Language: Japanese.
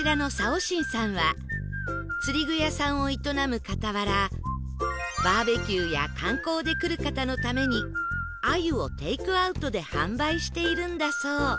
おしんさんは釣り具屋さんを営む傍らバーベキューや観光で来る方のために鮎をテイクアウトで販売しているんだそう